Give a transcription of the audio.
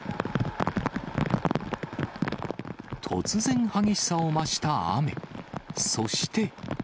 突然激しさを増した雨。